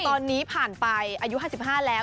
ตอนนี้ผ่านไปอายุ๕๕แล้ว